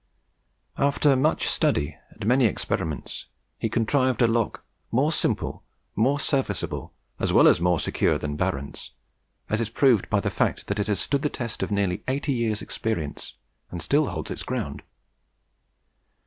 After much study and many experiments, he contrived a lock more simple, more serviceable, as well as more secure, than Barron's, as is proved by the fact that it has stood the test of nearly eighty years' experience, and still holds its ground.